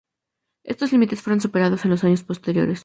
Estos límites fueron superados en los años posteriores.